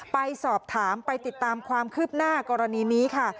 ไปสอบถามไปติดตามความคืบหน้ากรณีนี้ค่ะ